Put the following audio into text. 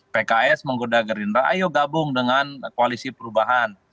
pks menggoda gerindra ayo gabung dengan koalisi perubahan